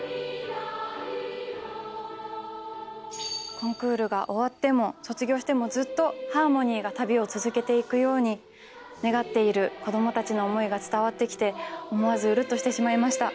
コンクールが終わっても卒業してもずっとハーモニーが旅を続けていくように願っている子供たちの思いが伝わってきて思わずウルっとしてしまいました。